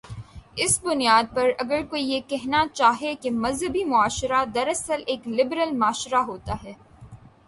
اس بنیاد پر اگر کوئی یہ کہنا چاہے کہ مذہبی معاشرہ دراصل ایک لبرل معاشرہ ہوتا ہے۔